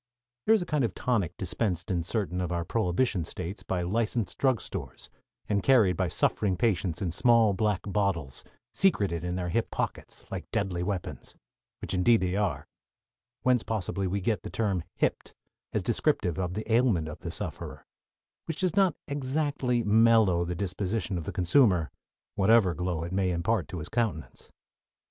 There is a kind of tonic dispensed in certain of our prohibition States by licensed drugstores and carried by suffering patients in small black bottles, secreted in their hip pockets, like deadly weapons which indeed they are (whence, possibly, we get the term "hipped" as descriptive of the ailment of the sufferer) which does not exactly mellow the disposition of the consumer, whatever glow it may impart to his countenance.